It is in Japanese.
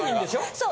そう。